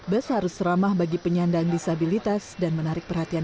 bus harus ramah bagi penyandang disabilitas dan menarik perhatian